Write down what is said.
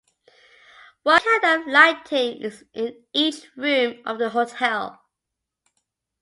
What kind of lighting is in each room of the hotel?